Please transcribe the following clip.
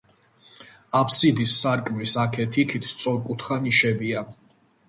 აფსიდის სარკმლის აქეთ-იქით სწორკუთხა ნიშებია.